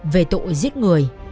về tội giết người